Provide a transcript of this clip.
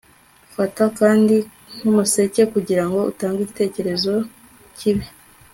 Fata kandi nkumuseke kugirango utange igitekerezo kibi